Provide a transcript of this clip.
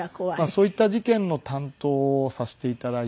そういった事件の担当をさせて頂いて。